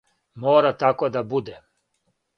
Мора тако да буде.